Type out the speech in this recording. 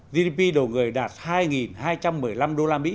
gdp đầu người đạt hai hai trăm một mươi năm usd